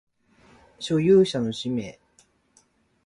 所有者の氏名